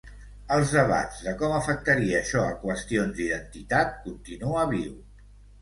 Els debats de com afectaria això a qüestions d'identitat continua viu.